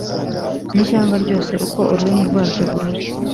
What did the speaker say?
, n’ishyanga ryose uko ururimi rwaryo ruri